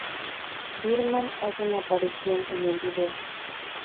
Birdman hace una aparición en el vídeo.